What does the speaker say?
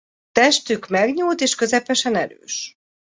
A testük megnyúlt és közepesen erős.